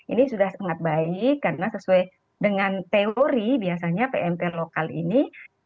ini sudah sangat baik karena sesuai dengan teori biasanya pmp lokal ini